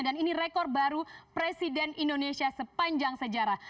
dan ini rekor baru presiden indonesia sepanjang sejarah